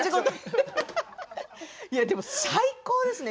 でも最高ですね。